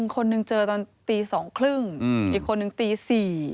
คนหนึ่งเจอตอนตี๒๓๐อีกคนนึงตี๔